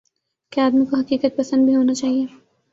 کہ آدمی کو حقیقت پسند بھی ہونا چاہیے۔